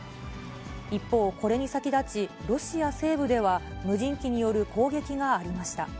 一方、これに先立ち、ロシア西部では無人機による攻撃がありました。